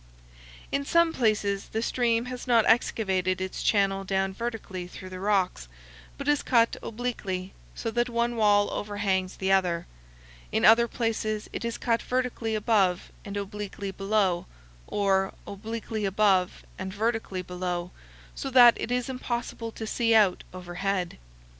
In some places the stream has not excavated its channel down vertically through the rocks, but has cut obliquely, so that one wall overhangs the other. In other places it is cut vertically above and obliquely below, or obliquely above and vertically below, so that it is impossible to see out overhead.